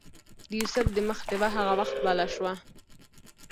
د یوسف د مخ ډیوه هغه وخت بله شوه.